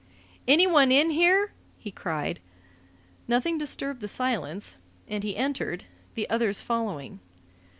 "Anyone in here?" he cried. Nothing disturbed the silence, and he entered, the others following.